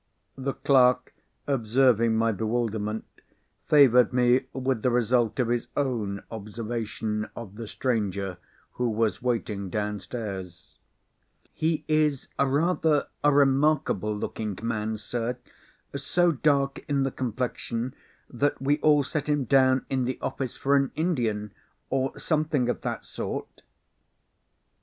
The clerk, observing my bewilderment, favoured me with the result of his own observation of the stranger who was waiting downstairs. "Here's rather a remarkable looking man, sir. So dark in the complexion that we all set him down in the office for an Indian, or something of that sort."